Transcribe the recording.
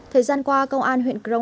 thời gian qua công an huyện kroana